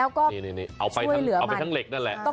เอาไปทั้งเหล็กนั่นแหละ